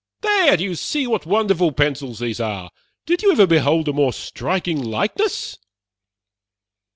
"There, do you see what wonderful pencils these are? Did you ever behold a more striking likeness?"